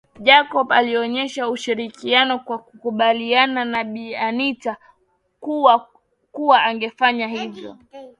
Jacob alionyesha ushirikiano kwa kukubaliana na Bi Anita kuwa angefanya hivyo